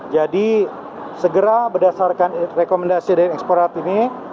jadi segera berdasarkan rekomendasi dari eksporat ini